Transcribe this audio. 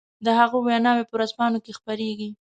د هغو ويناوې په ورځپانو کې خپرېږي.